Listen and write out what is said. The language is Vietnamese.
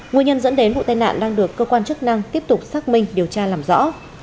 nguyên nhân dẫn đến vụ tai nạn đang được cơ quan chức năng tiếp tục xác minh điều tra làm rõ